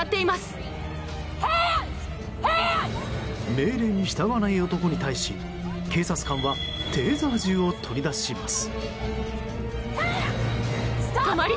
命令に従わない男に対し警察官はテーザー銃を取り出します。